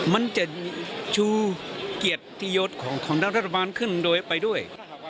มันจะชูเกียรติโยชน์ของนักราชบันดันขึ้นกันโดยไปด้วย